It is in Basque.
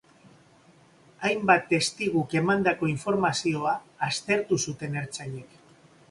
Hainbat testiguk emandako informazioa aztertu zuten ertzainek.